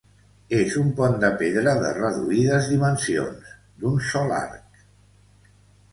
És un pont de pedra de reduïdes dimensions, d'un sol arc.